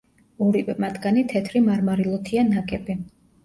ორივე მათგანი თეთრი მარმარილოთია ნაგები.